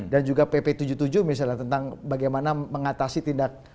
dan juga pp tujuh puluh tujuh misalnya tentang bagaimana mengatasi tindak radikalisme